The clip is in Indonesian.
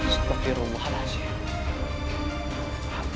seperti rumah nasib